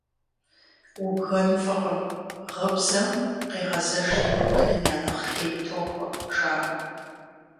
Убгэну фӏыкъым, гыбзэм къегъэзэжри быным я нэхъ хейм тохуэ, жаӀэ.